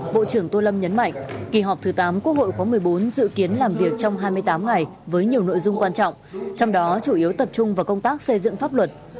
bộ trưởng tô lâm nhấn mạnh kỳ họp thứ tám quốc hội khóa một mươi bốn dự kiến làm việc trong hai mươi tám ngày với nhiều nội dung quan trọng trong đó chủ yếu tập trung vào công tác xây dựng pháp luật